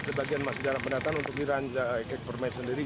sebagian masjid yang akan datang untuk dirancang kek permais sendiri